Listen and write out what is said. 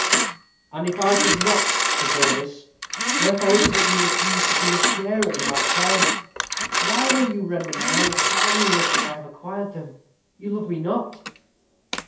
"And if I could not forego this, wherefore is it that you refuse to be a sharer in my triumph? Why will you render my honors valueless when I have acquired them? You love me not."